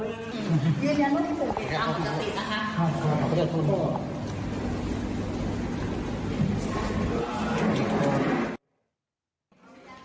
เรียนยังไม่ได้ส่งเกณฑ์ของสตรีนะคะ